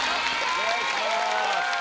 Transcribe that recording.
お願いします。